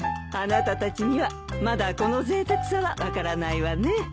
あなたたちにはまだこのぜいたくさは分からないわね。